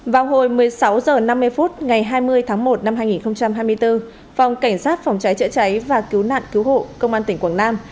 vào hồi một mươi sáu h năm mươi phút ngày hai mươi tháng một năm hai nghìn hai mươi bốn phòng cảnh sát phòng cháy chữa cháy và cứu nạn cứu hộ công an tỉnh quảng nam